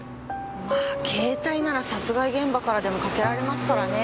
まあ携帯なら殺害現場からでもかけられますからね。